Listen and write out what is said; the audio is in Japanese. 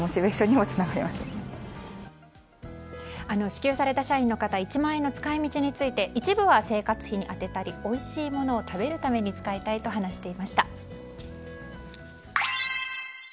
支給された社員の方１万円の使い道について一部は生活費に充てたりおいしいものを食べるために使いたいと話していました。